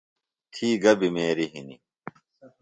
تھی گہ بِمیریۡ ہِنیۡ؟